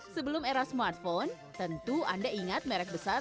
sebelum era smartphone tentu anda ingat merek besar